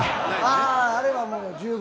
あああれはもう十分。